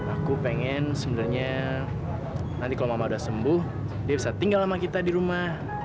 aku pengen sebenarnya nanti kalau mama udah sembuh dia bisa tinggal sama kita di rumah